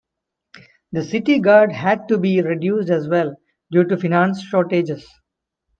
The city guard had to be reduced as well due to finance shortages.